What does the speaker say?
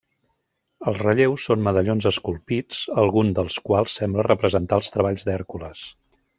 Els relleus són medallons esculpits, algun dels quals sembla representar els treballs d'Hèrcules.